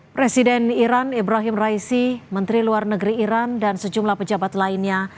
presiden iran ibrahim raisi menteri luar negeri iran dan sejumlah pejabat lainnya